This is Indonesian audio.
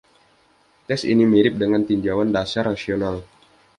Tes ini mirip dengan tinjauan dasar rasional.